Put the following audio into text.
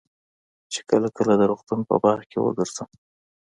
چې کله کله د روغتون په باغ کښې وګرځم.